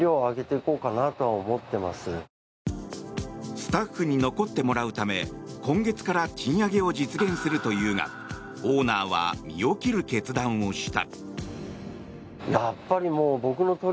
スタッフに残ってもらうため今月から賃上げを実現するというがオーナーは身を切る決断をした。